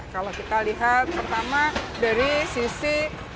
kalau kita lihat pertama dari sisi